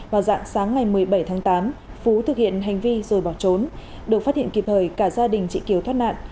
vào dạng sáng ngày một mươi bảy tháng tám phú thực hiện hành vi rồi bỏ trốn được phát hiện kịp thời cả gia đình chị kiều thoát nạn